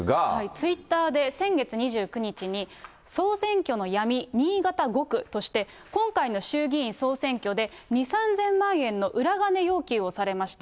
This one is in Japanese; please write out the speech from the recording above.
ツイッターで先月２９日に、総選挙の闇、新潟５区として、今回の衆議院総選挙で、２、３０００万円の裏金要求をされました。